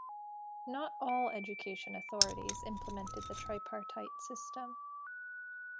Not all education authorities implemented the tripartite system.